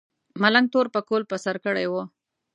ملنګ تور پکول په سر کړی و.